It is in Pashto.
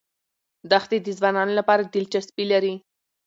دښتې د ځوانانو لپاره دلچسپي لري.